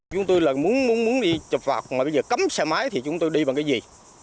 chúng tôi là muốn đi chụp phạt mà bây giờ cấm xe máy thì chúng tôi đi vào cái gì